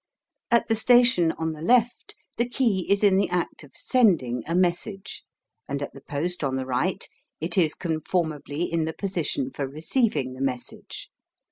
At the station on the left the key is in the act of SENDING a message, and at the post on the right it is conformably in the position for receiving the message.